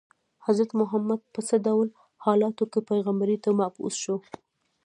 حضرت محمد په څه ډول حالاتو کې پیغمبرۍ ته مبعوث شو.